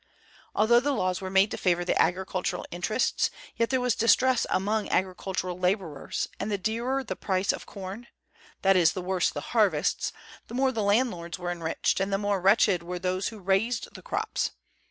Although the laws were made to favor the agricultural interests, yet there was distress among agricultural laborers; and the dearer the price of corn, that is, the worse the harvests, the more the landlords were enriched, and the more wretched were those who raised the crops.